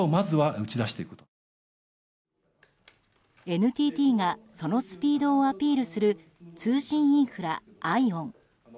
ＮＴＴがそのスピードをアピールする通信インフラ、ＩＯＷＮ。